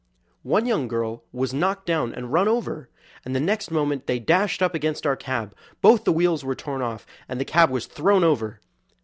One young girl was knocked down and run over, and the next moment they dashed up against our cab; both the wheels were torn off and the cab was thrown over.